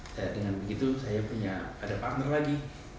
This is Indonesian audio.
saya dengan begitu saya punya ada partner lagi